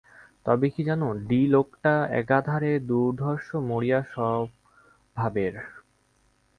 তবে কী জানো, ডি-লোকটা একেবারে দুর্ধর্ষ মরিয়া স্বভাবের।